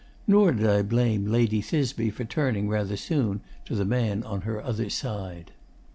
Nor did I blame Lady Thisbe for turning rather soon to the man on her other side.